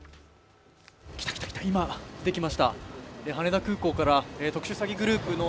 今、出てきました羽田空港から特殊詐欺グループの